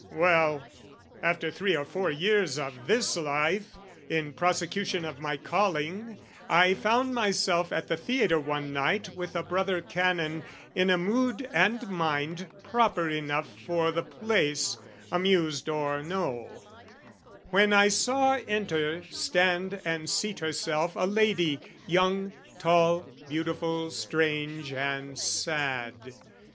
Well, after three or four years of this life, In prosecution of my calling, I Found myself at the theatre one night With a brother Canon, in a mood and mind Proper enough for the place, amused or no: When I saw enter, stand, and seat herself A lady, young, tall, beautiful, strange, and sad.